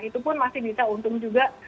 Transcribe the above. itu pun masih bisa untung juga